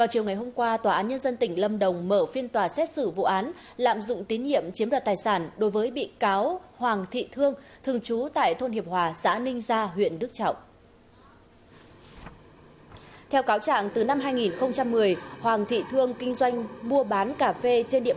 hãy đăng ký kênh để ủng hộ kênh của chúng mình nhé